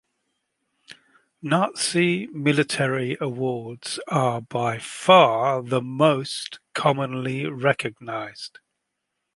Nazi military awards are by far the most commonly recognised.